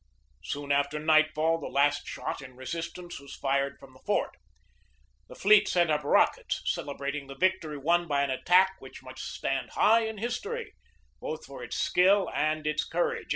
Soon after night fall the last shot in resistance was fired from the fort. The fleet sent up rockets celebrating the victory won by an attack which must stand high in history, both for its skill and its courage.